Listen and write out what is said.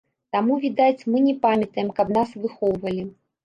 Таму, відаць, мы не памятаем, каб нас выхоўвалі.